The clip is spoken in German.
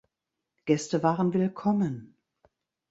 Gäste waren willkommen.